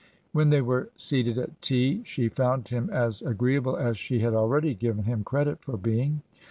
... When they were seated at tea she found him as agreea ble as she had already given him credit for being.